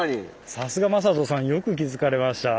さすが魔裟斗さんよく気付かれました。